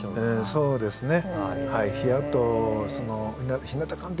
そうですか。